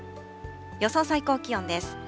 予想最高気温です。